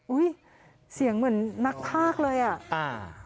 อุ๊ยเสียงเหมือนนักภาคเลยอะ